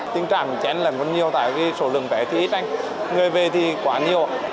tình trạng chén lần có nhiều tại vì số lượng vé thì ít anh người về thì quá nhiều